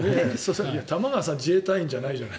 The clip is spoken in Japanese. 玉川さんは自衛隊員じゃないじゃない。